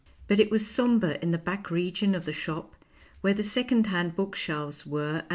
But it was sombre in the back region of the shop where the second hand book shelves were and M.